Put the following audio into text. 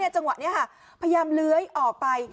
จังหวะนี้พยายามเลื้อยออกไป